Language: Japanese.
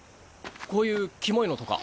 こういうきもいのとか。